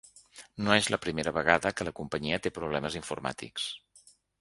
No és la primera vegada que la companyia té problemes informàtics.